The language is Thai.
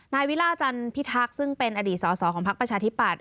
นายวิลาจันทร์พิทักษ์ซึ่งเป็นอดีตสอของภักดิ์ประชาธิบัติ